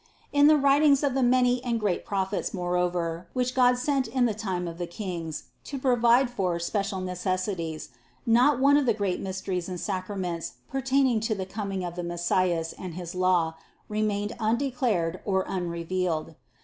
156. In the writings of the many and great Prophets moreover, which God sent in the time of the kings to provide for special necessities, not one of the great mys teries and sacraments pertaining to the coming of the Messiah and his law, remained undeclared or unrevealed.